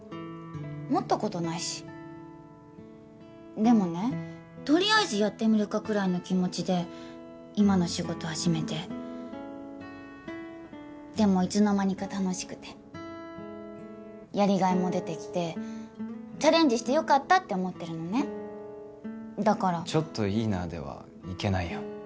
持ったことないしでもねとりあえずやってみるかくらいの気持ちで今の仕事始めてでもいつの間にか楽しくてやりがいも出てきてチャレンジしてよかったって思ってるのねだからちょっといいなでは行けないよ